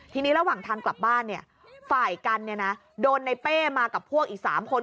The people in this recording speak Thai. ทีนี้ระหว่างทางกลับบ้านฝ่ายกันโดนในเป้มากับพวกอีก๓คน